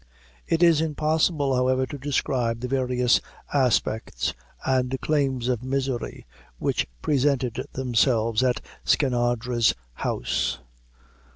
It is impossible, however, to describe the various aspects and claims of misery which presented themselves at Skinadre's house.